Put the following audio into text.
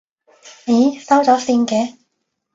咦，收咗線嘅？